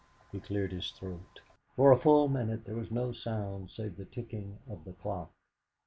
He cleared his throat. For a full minute there was no sound save the ticking of the clock.